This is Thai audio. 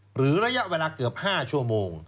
หรือระยะเวลาเกือบ๕ชั่วโมง